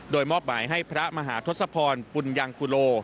โดยมอบหมายให้พระมหาทศพรปุญยังกุโล